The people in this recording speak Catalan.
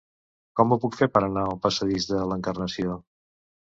Com ho puc fer per anar al passadís de l'Encarnació?